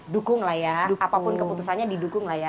dukung lah ya apapun keputusannya didukung lah ya